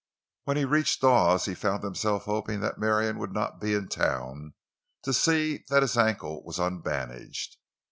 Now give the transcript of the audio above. When he reached Dawes he found himself hoping that Marion would not be in town to see that his ankle was unbandaged.